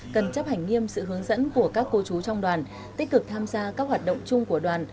cần chấp hành nghiêm sự hướng dẫn của các cô chú trong đoàn tích cực tham gia các hoạt động chung của đoàn